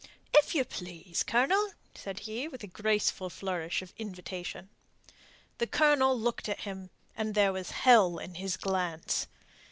"If you please, Colonel," said he, with a graceful flourish of invitation. The Colonel looked at him, and there was hell in his glance.